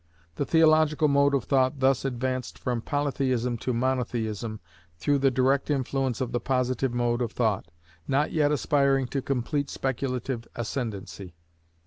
The theological mode of thought thus advanced from Polytheism to Monotheism through the direct influence of the Positive mode of thought, not yet aspiring to complete speculative ascendancy.